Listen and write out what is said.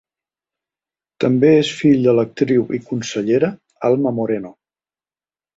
També és fill de l'actriu i consellera Alma Moreno.